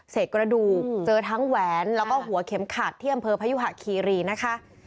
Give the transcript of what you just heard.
กระดูกเจอทั้งแหวนแล้วก็หัวเข็มขัดที่อำเภอพยุหะคีรีนะคะ